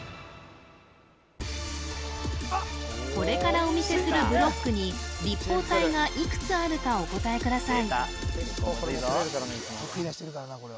これからお見せするブロックに立方体がいくつあるかお答えください